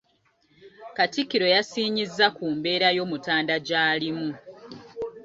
Katikkiro yasiinyizza ku mbeera y'Omutanda gy'alimu.